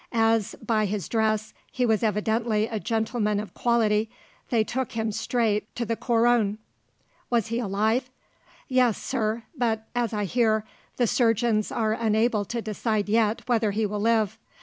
As, by his dress, he was evidently a gentleman of quality, they took him straight to the Couronne." "Was he alive?" "Yes, sir; but, as I hear, the surgeons are unable to decide yet whether he will live.